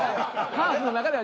「ハーフの中では」？